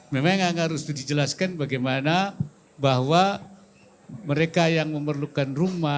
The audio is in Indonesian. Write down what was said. memang harus dijelaskan bagaimana bahwa mereka yang memerlukan rumah